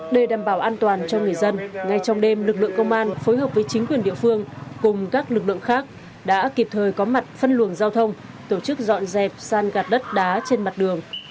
để đảm bảo an toàn cho người dân ngay trong đêm lực lượng công an phối hợp với chính quyền địa phương cùng các lực lượng khác đã kịp thời có mặt phân luồng giao thông tổ chức dọn dẹp san gạt đất đá trên mặt đường